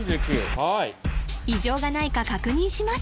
はい異常がないか確認します